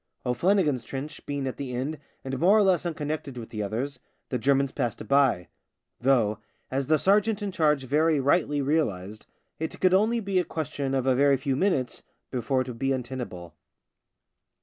O'Flannigan's trench being at the end and more or less unconnected with the others, the Germans passed it by : though, as the sergeant in charge very rightly realised, it could only be a question of a very few minutes before it would be untenable.